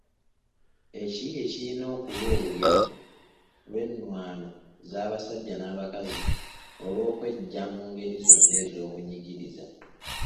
Ekiyiiye kirina okuba olugerero lw’ennwaano z’abasajja n’abakazi olw’okweggya mu ngeri zonna ez’obunyigiriza.